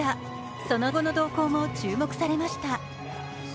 その後の動向も注目されました。